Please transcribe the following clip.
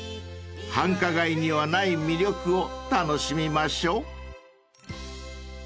［繁華街にはない魅力を楽しみましょう］